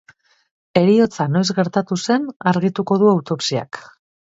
Heriotza noiz gertatu zen argituko du autopsiak.